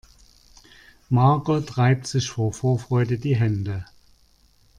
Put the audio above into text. Margot reibt sich vor Vorfreude die Hände.